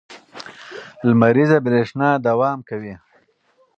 لمریزه برېښنا دوام کوي.